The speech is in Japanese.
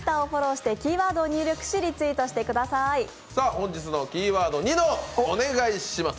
本日のキーワード、ニノお願いします。